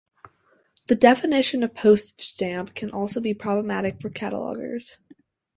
The definition of "postage stamp" can also be problematic for catalogers.